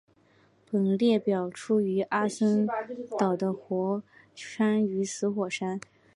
本列表列出阿森松岛的活火山与死火山。